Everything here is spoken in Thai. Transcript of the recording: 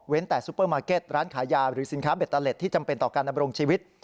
แต่ซูเปอร์มาร์เก็ตร้านขายยาหรือสินค้าเบตเตอร์เล็ตที่จำเป็นต่อการดำรงชีวิต